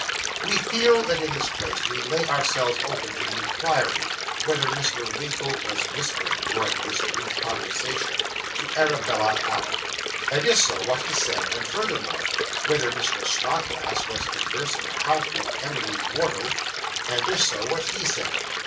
We feel that in this place we lay ourself open to the inquiry whether Mr. Winkle was whispering, during this brief conversation, to Arabella Allen; and if so, what he said; and furthermore, whether Mr. Snodgrass was conversing apart with Emily Wardle; and if so, what he said.